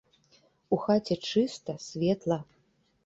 У хаце чыста, светла.